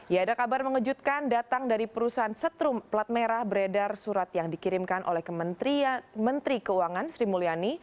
ya ada kabar mengejutkan datang dari perusahaan setrum plat merah beredar surat yang dikirimkan oleh menteri keuangan sri mulyani